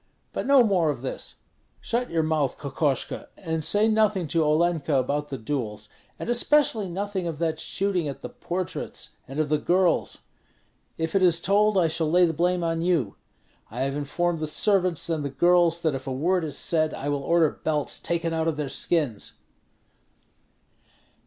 But no more of this! Shut your mouth, Kokoshko, and say nothing to Olenka about the duels, and especially nothing of that shooting at the portraits and of the girls. If it is told, I shall lay the blame on you. I have informed the servants and the girls that if a word is said, I will order belts taken out of their skins."